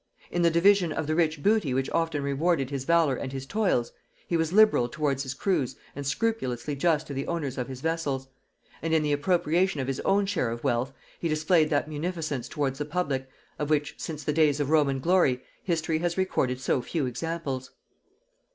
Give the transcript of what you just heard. In the division of the rich booty which often rewarded his valor and his toils, he was liberal towards his crews and scrupulously just to the owners of his vessels; and in the appropriation of his own share of wealth, he displayed that munificence towards the public, of which, since the days of Roman glory, history has recorded so few examples.